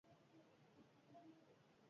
Azkenean, ados jarri dira.